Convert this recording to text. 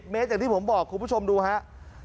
เมตรอย่างที่ผมบอกคุณผู้ชมดูครับ